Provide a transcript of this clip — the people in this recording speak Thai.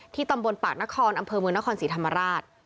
ตำบลปากนครอำเภอเมืองนครศรีธรรมราช